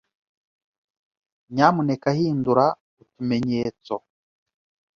Nyamuneka hindura utumenyetso.